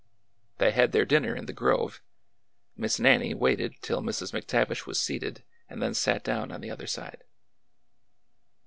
They had their dinner in the grove. Miss Nannie waited till Mrs. McTavish was seated and then sat down on the other side.